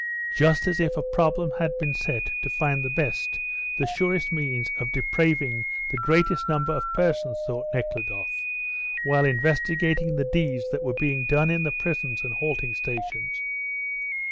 "Just as if a problem had been set to find the best, the surest means of depraving the greatest number of persons," thought Nekhludoff, while investigating the deeds that were being done in the prisons and halting stations.